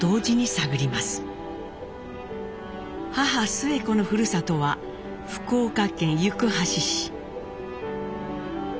母スエ子のふるさとは福岡県行橋市。